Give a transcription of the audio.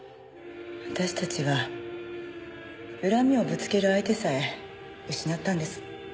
私たちは恨みをぶつける相手さえ失ったんです。